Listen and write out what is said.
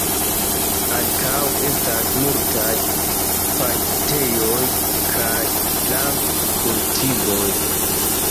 Ankaŭ estas multaj paŝtejoj kaj planto-kultivoj.